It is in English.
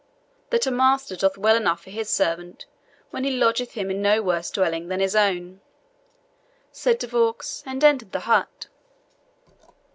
"That a master doth well enough for his servant when he lodgeth him in no worse dwelling than his own," said De Vaux, and entered the hut.